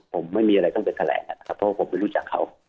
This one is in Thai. ผมไม่มีอะไรต้องไปแถลงนะครับเพราะว่าผมไม่รู้จักเขา